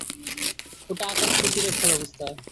ওটা আকাশ প্রতিরক্ষা ব্যবস্থা।